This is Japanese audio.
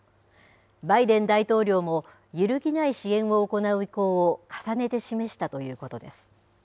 バイデン大統領も、揺るぎない支援を行う意向を重ねて示したということです。